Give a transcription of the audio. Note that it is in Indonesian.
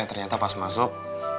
eh ternyata pas masuk